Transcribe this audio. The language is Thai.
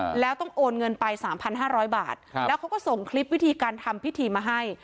อืมแล้วต้องโอนเงินไปสามพันห้าร้อยบาทครับแล้วเขาก็ส่งคลิปวิธีการทำพิธีมาให้